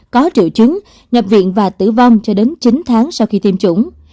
có triệu chứng nhập viện và tử vong cho đến chín tháng sau khi tiêm chủng